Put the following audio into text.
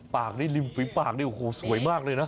ปากนี้ริมฝีปากนี่โอ้โหสวยมากเลยนะ